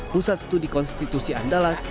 pusat studi konstitusi andalas